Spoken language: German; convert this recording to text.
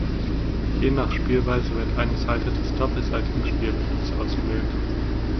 Je nach Spielweise wird eine Seite des doppelseitigen Spielplans ausgewählt.